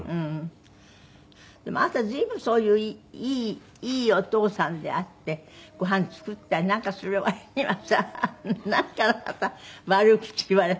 でもあなた随分そういういいお父さんであってご飯作ったりなんかする割にはさなんかあなた悪口言われたりなんかしてさ。